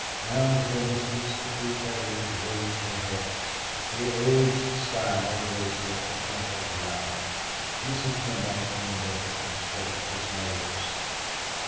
Round their mistress the three terriers raised their heads; the aged Skye gave forth a gentle growl. Mrs. Pendyce leaned over and stroked his nose.